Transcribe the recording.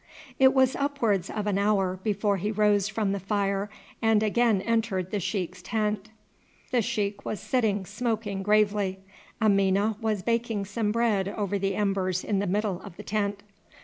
It was upwards of an hour before he rose from the fire and again entered the sheik's tent. The sheik was sitting smoking gravely. Amina was baking some bread over the embers in the middle of the tent.